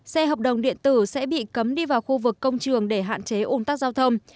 xe hợp đồng điện tử sẽ bị cấm đi vào khu vực công trường để hạn chế ủn tắc giao thông